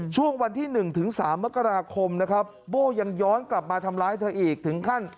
ช่วงวันที่๑ถึง๓มกราคมนะครับโบ้ยังย้อนกลับมาทำร้ายเธออีกถึงขั้น